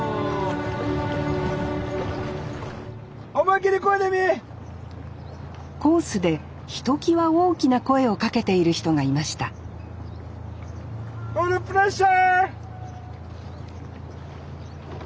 思い切り漕いでみ！コースでひときわ大きな声をかけている人がいましたオールプレッシャー！